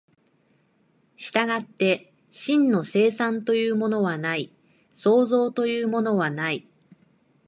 従って真の生産というものはない、創造というものはない。